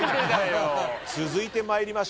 続いて参りましょう。